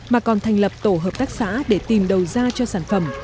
mà còn thành lập tổ hợp tác xã để tìm đầu ra cho sản phẩm